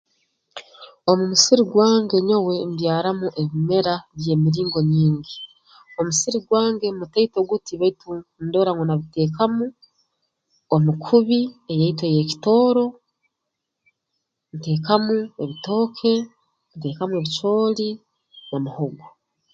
Omu musiri gwange nyowe mbyaramu ebimera by'emiringo nyingi omusiri gwange mutaito guti baitu ndora ngu nabiteekamu omukubi eyaitu ey'ekitooro nteekamu ebitooke nteekamu ebicooli na muhogo